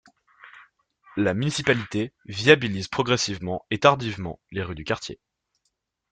La municipalité viabilise progressivement et tardivement les rues du quartier.